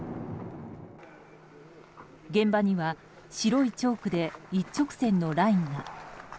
現場には白いチョークで一直線のラインが。